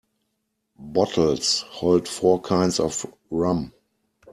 Bottles hold four kinds of rum.